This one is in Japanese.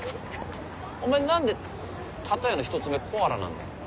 お前何で例えの１つ目コアラなんだよ。